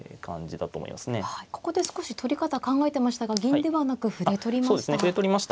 ここで少し取り方考えてましたが銀ではなく歩で取りました。